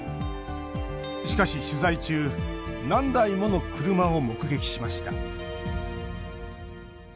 しかし、取材中何台もの車を目撃しました。